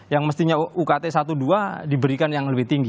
yang mestinya ukt satu dua diberikan yang lebih tinggi